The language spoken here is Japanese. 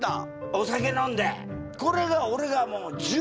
お酒飲んで。